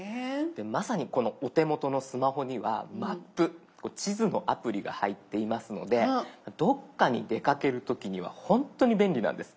まさにこのお手元のスマホには「マップ」地図のアプリが入っていますのでどっかに出かける時にはほんとに便利なんです。